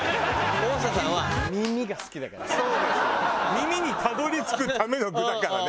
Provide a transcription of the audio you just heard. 耳にたどり着くための具だからね。